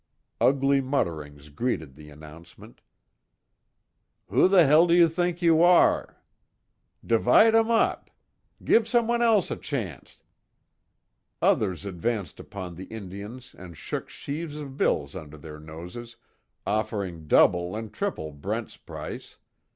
Ugly mutterings greeted the announcement. "Who the hell do you think you are?" "Divide 'em up!" "Give someone else a chanct." Others advanced upon the Indians and shook sheaves of bills under their noses, offering double and treble Brent's price.